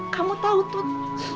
kamu tau tut